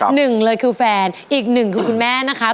หนึ่งเลยคือแฟนอีกหนึ่งคือคุณแม่นะคะ